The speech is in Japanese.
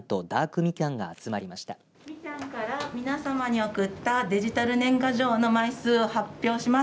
みきゃんから皆さまに送ったデジタル年賀状の枚数を発表します。